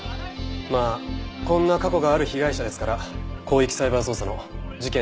まあこんな過去がある被害者ですから広域サイバー捜査の事件